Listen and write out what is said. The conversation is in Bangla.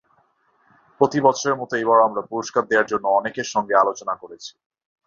প্রতিবছরের মতো এবারও আমরা পুরস্কার দেওয়ার জন্য অনেকের সঙ্গে আলোচনা করেছি।